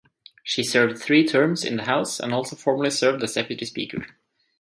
She served three terms in the House and also formerly served as Deputy Speaker.